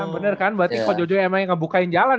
bener kan berarti ko jojo emang yang ngebukain jalan